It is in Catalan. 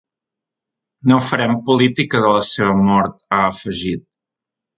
No farem política de la seva mort, ha afegit.